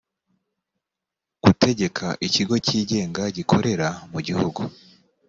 gutegeka ikigo cyigenga gikorera mu gihugu